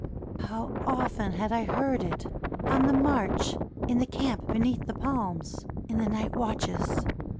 How often had I heard it — on the march — in the camp beneath the palms — in the night watches.